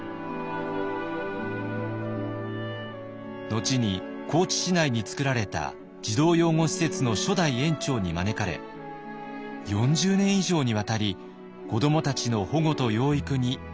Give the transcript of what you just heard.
後に高知市内に作られた児童養護施設の初代園長に招かれ４０年以上にわたり子どもたちの保護と養育に尽力しました。